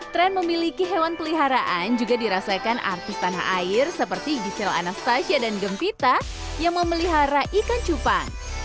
tren memiliki hewan peliharaan juga dirasakan artis tanah air seperti giselle anastasia dan gempita yang memelihara ikan cupang